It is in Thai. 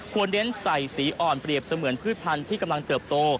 เน้นใส่สีอ่อนเปรียบเสมือนพืชพันธุ์ที่กำลังเติบโต